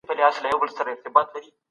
ډيپلوماتيکي خبري په صداقت سره پرمخ ځي.